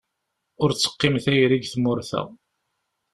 Ur d-teqqim tayri deg tmurt-a.